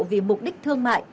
vì mục đích thương mại